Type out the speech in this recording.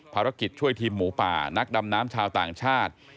ภารกิจช่วยทีมหมูป่านักดำน้ำชาวต่างชาติ